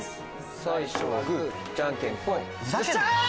最初はグじゃんけんポイ！